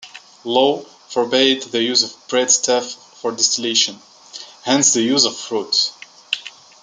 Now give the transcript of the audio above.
Law forbade the use of bread-stuffs for distillation, hence the use of fruits.